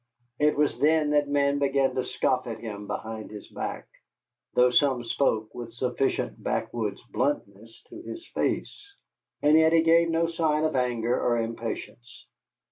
It was then that men began to scoff at him behind his back, though some spoke with sufficient backwoods bluntness to his face. And yet he gave no sign of anger or impatience.